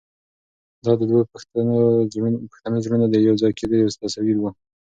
دا د دوو پښتنو زړونو د یو ځای کېدو یو تصویر و.